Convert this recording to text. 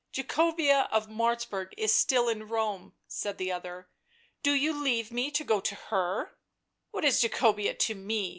" Jacobea of Martzburg is still in Rome," said the other. "Do you leave me to go to herV * "What is Jacobea to me?"